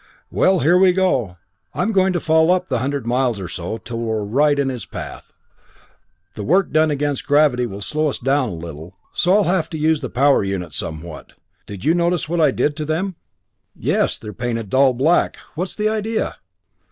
"Well, here we go! I'm going to fall up the hundred miles or so, till we're right in his path; the work done against gravity will slow us down a little, so I'll have to use the power units somewhat. Did you notice what I did to them?" "Yes, they're painted a dull black. What's the idea?"